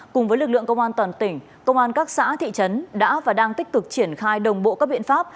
cùng với lực lượng công an toàn tỉnh công an các xã thị trấn đã và đang tích cực triển khai đồng bộ các biện pháp